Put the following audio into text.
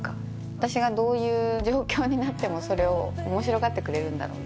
私がどういう状況になってもそれを面白がってくれるんだろうな。